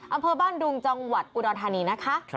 อำเภอบ้านดุงจังหวัดอุดรธานีนะคะ